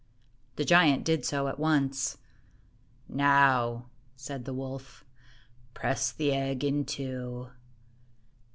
The giant did so at once. "Now," said the wolf, "press the egg in two."